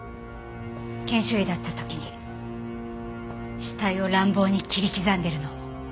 研修医だった時に死体を乱暴に切り刻んでるのを。